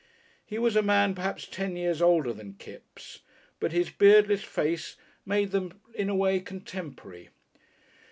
He was a man perhaps ten years older than Kipps, but his beardless face made them in a way contemporary.